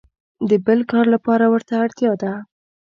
د بل کار لپاره ورته اړتیا ده.